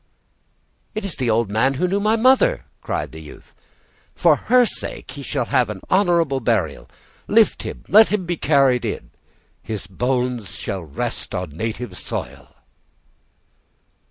"It is the old man who knew my mother!" cried the youth. "For her sake he shall have honorable burial; lift him, and let him be carried in; his bones shall rest on native soil."